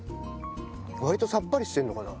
割とさっぱりしてるのかな。